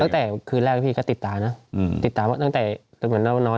ตั้งแต่คืนแรกพี่ก็ติดตานะติดตาตั้งแต่เหมือนเรานอน